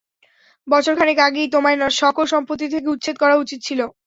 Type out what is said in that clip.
বছরখানেক আগেই তোমায় সকল সম্পত্তি থেকে উচ্ছেদ করা উচিত ছিল।